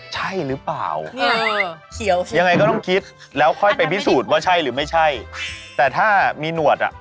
ใช่หรือเปล่ายังไงก็ต้องคิดแล้วค่อยไปพิสูจน์ว่าใช่หรือไม่ใช่แต่ถ้ามีหนวดอ่ะ